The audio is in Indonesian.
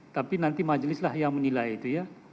tapi nanti majelislah yang menilai itu ya